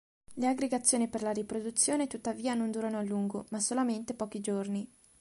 Le aggregazioni per la riproduzione tuttavia non durano a lungo, ma solamente pochi giorni.